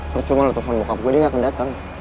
percuma lu telepon bokap gue dia gak akan dateng